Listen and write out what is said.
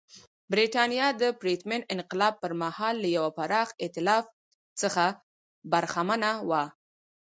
برېټانیا د پرتمین انقلاب پر مهال له یوه پراخ اېتلاف څخه برخمنه وه.